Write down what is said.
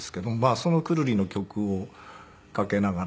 そのくるりの曲をかけながら。